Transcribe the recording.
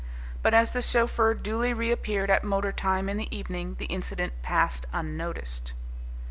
But as the chauffeur duly reappeared at motor time in the evening the incident passed unnoticed.